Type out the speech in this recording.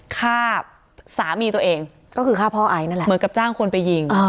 ฆ่าสามีตัวเองก็คือฆ่าพ่อไอซ์นั่นแหละเหมือนกับจ้างคนไปยิง